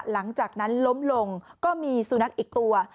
หลังจากนั้นล้มลงก็มีสุนัขอีกตัว